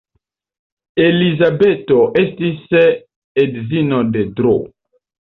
Elizabeto estis edzino de Dro.